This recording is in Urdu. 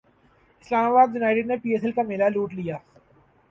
اسلام باد یونائٹیڈ نے پی ایس ایل کا میلہ لوٹ لیا